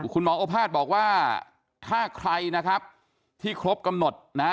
คุณหมอโอภาษย์บอกว่าถ้าใครนะครับที่ครบกำหนดนะ